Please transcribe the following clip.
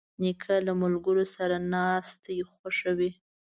نیکه له ملګرو سره ناستې خوښوي.